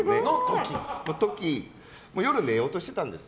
夜、寝ようとしてたんです。